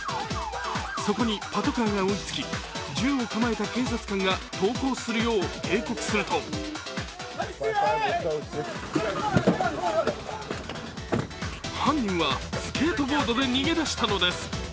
そこにパトカーが追いつき、銃を構えた警察官が投降するよう警告すると犯人はスケートボードで逃げ出したのです。